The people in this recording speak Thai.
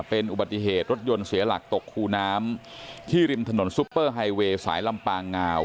เป็นอุบัติเหตุรถยนต์เสียหลักตกคูน้ำที่ริมถนนซุปเปอร์ไฮเวย์สายลำปางงาว